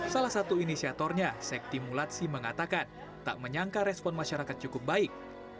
salah satu inisiatornya sekti mulatsi mengatakan tak menyangka respon masyarakat cukup baik